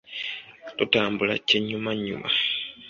Totambula kyennyumannyuma.